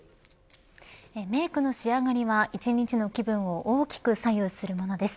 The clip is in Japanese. メークの仕上がりは１日の気分を大きく左右するものです。